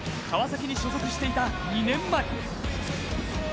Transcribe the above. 川崎に所属していた２年前。